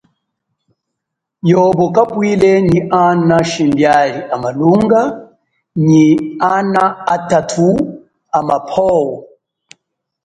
Yobo kapwile nyi ana shimbiali a malunga, nyi ana atathu amapwo.